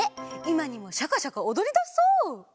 いまにもシャカシャカおどりだしそう！